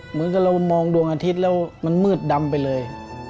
เหมือนกับเรามองดวงอาทิตย์แล้วมันมืดดำไปเลย